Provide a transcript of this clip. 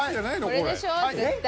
これでしょう絶対。